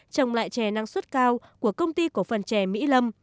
trồng lại chè năng suất cao của công ty cổ phần chè mỹ lâm